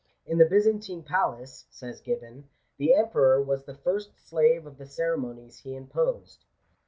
"In the Byzantine palace," says Gibbon, " the emperor was the first slave of the ceremonies he imposed."